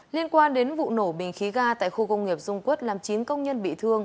liên quan đến vụ nổ bình khí ga tại khu công nghiệp dung quất làm chín công nhân bị thương